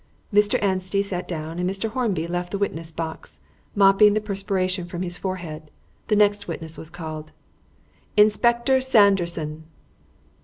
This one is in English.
Mr. Anstey sat down, and as Mr. Hornby left the witness box, mopping the perspiration from his forehead, the next witness was called. "Inspector Sanderson!"